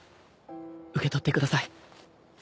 受け取ってください。